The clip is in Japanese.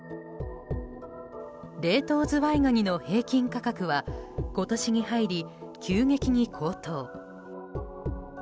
冷凍ズワイガニの平均価格は今年に入り急激に高騰。